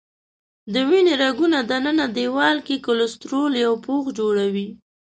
د وینې رګونو دننه دیوال کې کلسترول یو پوښ جوړوي.